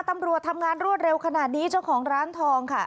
ตำรวจทำงานรวดเร็วขนาดนี้เจ้าของร้านทองค่ะ